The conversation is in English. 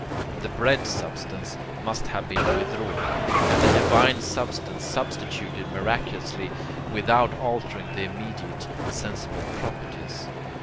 The bread substance must have been withdrawn, and the divine substance substituted miraculously without altering the immediate sensible properties.